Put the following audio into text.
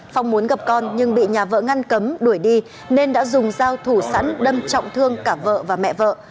phong muốn gặp con nhưng bị nhà vợ ngăn cấm đuổi đi nên đã dùng dao thủ sẵn đâm trọng thương cả vợ và mẹ vợ